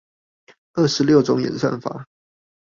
二十六種演算法